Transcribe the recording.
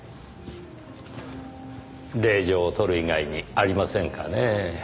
令状を取る以外にありませんかねぇ。